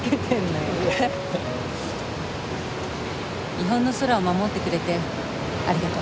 日本の空を守ってくれてありがとう。